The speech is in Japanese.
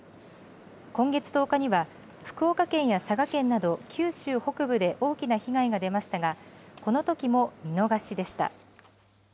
今月１０日には、福岡県や佐賀県など九州北部で大きな被害が出ましたが、このときも見逃しでした。